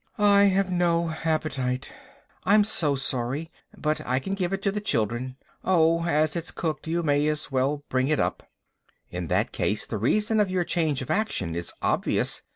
"I have no appetite." "I'm so sorry, but I can give it to the children." "Oh, as it's cooked, you may as well bring it up." In that case the reason of your change of action is obvious.